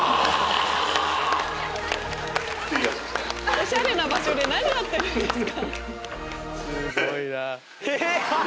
おしゃれな場所で何やってるんですか！